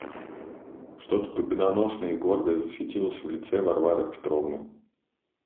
Что-то победоносное и гордое засветилось в лице Варвары Петровны.